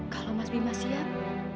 kalau mas bima siap